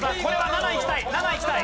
７いきたい！